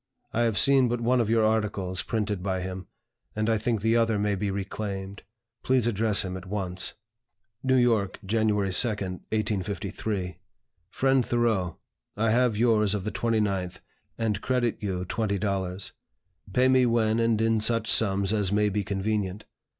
I have seen but one of your articles printed by him, and I think the other may be reclaimed. Please address him at once." "NEW YORK, January 2, 1853. "FRIEND THOREAU, I have yours of the 29th, and credit you $20. Pay me when and in such sums as may be convenient.